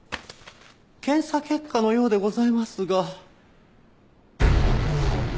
検査結果のようでございますが。